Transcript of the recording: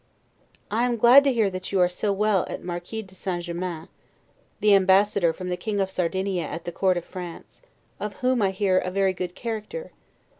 I am glad to hear that you are so well at Marquis de St. Germain's, [At that time Ambassador from the King of Sardinia at the Court of France.] of whom I hear a very good character.